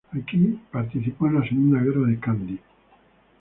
Aquí participó en las Segunda Guerra de Kandy.